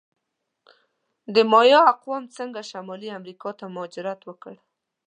د مایا اقوامو څنګه شمالي امریکا ته مهاجرت وکړ؟